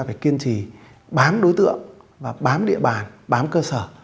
phải kiên trì bám đối tượng và bám địa bàn bám cơ sở